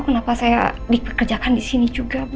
kenapa saya diperkerjakan disini juga bu